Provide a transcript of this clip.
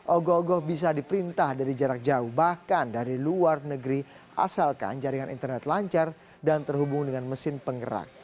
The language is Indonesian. ogo ogo bisa diperintah dari jarak jauh bahkan dari luar negeri asalkan jaringan internet lancar dan terhubung dengan mesin penggerak